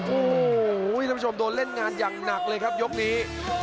โอ้โหท่านผู้ชมโดนเล่นงานอย่างหนักเลยครับยกนี้